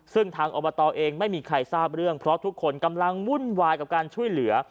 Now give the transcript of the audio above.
ซึ่งทางอบตเองไม่มีใครทราบเรื่องเพราะทุกคนกำลังวุ่นวายกับการช่วยเหลือ